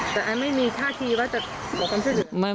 แต่ไอไม่มีท่าทีว่าจะขอความช่วยเหลือ